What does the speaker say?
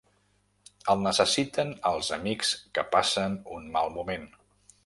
El necessiten els amics que passen un mal moment.